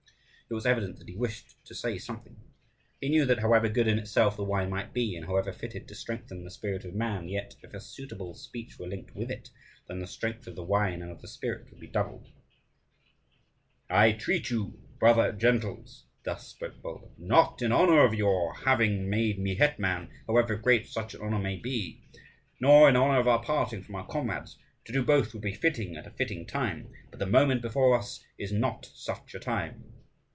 It was evident that he wished to say something. He knew that however good in itself the wine might be and however fitted to strengthen the spirit of man, yet, if a suitable speech were linked with it, then the strength of the wine and of the spirit would be doubled. "I treat you, brother gentles," thus spoke Bulba, "not in honour of your having made me hetman, however great such an honour may be, nor in honour of our parting from our comrades. To do both would be fitting at a fitting time; but the moment before us is not such a time.